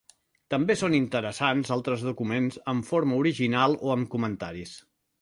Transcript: També són interessants altres documents en forma original o amb comentaris.